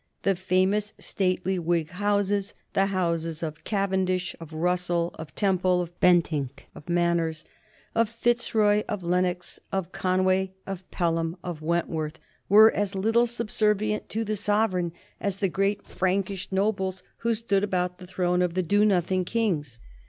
The famous stately Whig Houses, the Houses of Cavendish, of Russell, of Temple, of Bentinck, of Manners, of Fitzroy, of Lennox, of Conway, of Pelham, of Wentworth, were as little subservient to the sovereign as the great Frankish nobles who stood about the throne of the Do nothing kings.